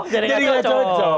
jadi gak cocok